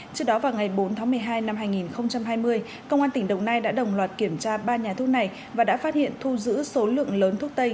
trước đó vào ngày bốn tháng một mươi hai năm hai nghìn hai mươi công an tỉnh đồng nai đã đồng loạt kiểm tra ba nhà thuốc này và đã phát hiện thu giữ số lượng lớn thuốc tây